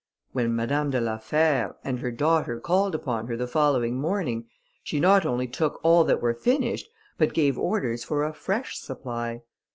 When Madame de la Fère and her daughter called upon her the following morning, she not only took all that were finished, but gave orders for a fresh supply.